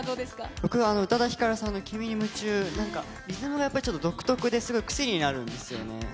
僕は宇多田ヒカルさんの君に夢中、なんかリズムが独特で、すごい癖になるんですよね。